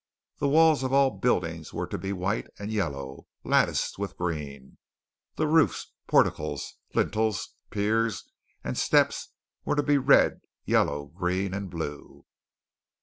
The walls of all buildings were to be white and yellow, latticed with green. The roofs, porticos, lintels, piers, and steps were to be red, yellow, green, and blue.